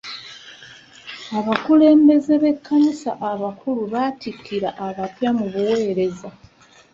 Abakulembeze b'ekkanisa abakulu battikira abapya mu buwereza.